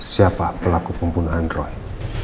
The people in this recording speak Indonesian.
siapa pelaku pembunuh android